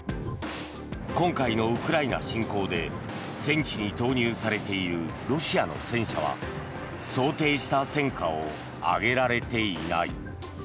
今回のウクライナ侵攻で戦地に投入されているロシアの戦車は想定した戦果を挙げられていない。